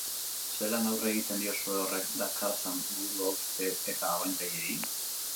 Zelan aurre egiten diozue horrek dakartzan buruhauste eta abantailei?